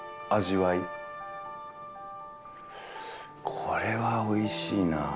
これはおいしいな。